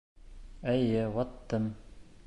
Эйе, ваттым!